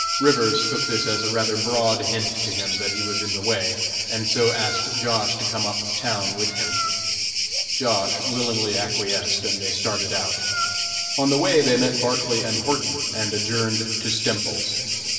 Rivers took this as a rather broad hint to him that he was in the way, and so asked Josh. to come up town with him. Josh. willingly acquiesced, and they started out. On the way they met Barclay and Horton, and adjourned to Stemples's.